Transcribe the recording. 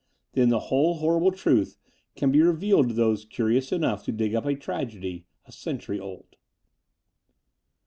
Then the whole horrible truth can be revealed to those curious enough to dig up a tragedy a century old.